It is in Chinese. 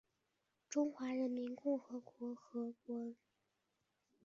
中华人民共和国国内媒体和官员都对此战略予以十分正面的评价。